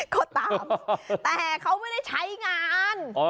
ก็ตามแต่เขาไม่ได้ใช้งาน